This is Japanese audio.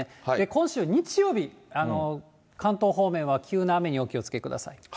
今週日曜日、関東方面は急な雨にお気をつけください。